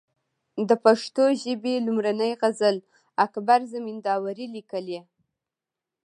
د پښتو ژبي لومړنۍ غزل اکبر زمینداوري ليکلې